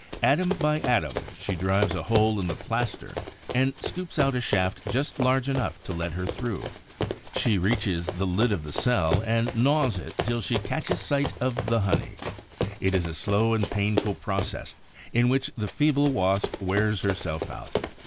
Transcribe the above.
Atom by atom, she drives a hole in the plaster and scoops out a shaft just large enough to let her through; she reaches the lid of the cell and gnaws it till she catches sight of the honey. It is a slow and painful process, in which the feeble Wasp wears herself out.